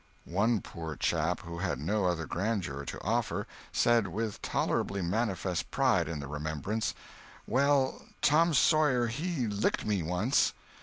One poor chap, who had no other grandeur to offer, said with tolerably manifest pride in the remembrance: "Well, Tom Sawyer he licked me once."